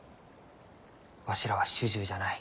わしらは主従じゃない。